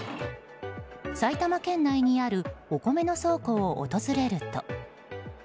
埼玉県内にあるお米の倉庫を訪れると。